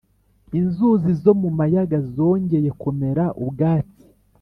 inzuri zo mu mayaga zongeye kumera ubwatsi,